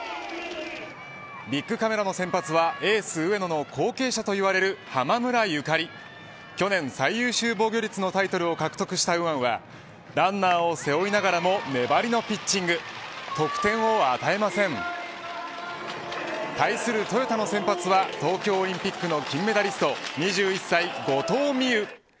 ビックカメラの先発はエース上野の後継者といわれる濱村ゆかり、去年最優秀防御率のタイトルを獲得した右腕はランナーを背負いながらも粘りのピッチング対するトヨタの先発は東京オリンピックの金メダリスト、２１歳後藤希友。